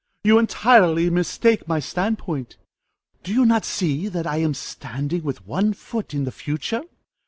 You entirely mistake my stand point. Do you not see that I am standing with one foot in the future?